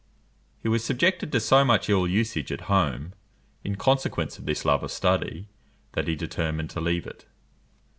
He was subjected to so much ill usage at home, in consequence of this love of study, that he determined to leave it.